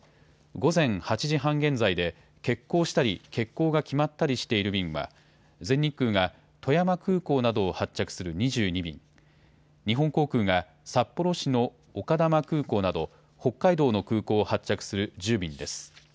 午前８時半現在で欠航したり、欠航が決まったりしている便は全日空が富山空港などを発着する２２便、日本航空が札幌市の丘珠空港など北海道の空港を発着する１０便です。